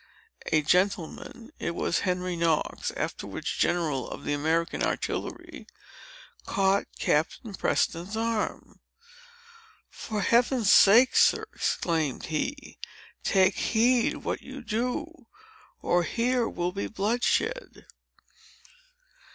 A gentleman, (it was Henry Knox, afterwards general of the American artillery,) caught Captain Preston's arm. "For Heaven's sake, sir," exclaimed he, take heed what you do, or here will be bloodshed."